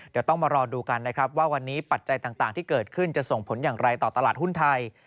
เดี๋ยวต้องมารอดูกันนะครับว่าวันนี้ปัจจัยต่างที่เกิดขึ้นจะส่งผลอย่างไรต่อตลาดหุ้นไทย